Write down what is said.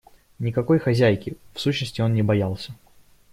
Никакой хозяйки, в сущности, он не боялся.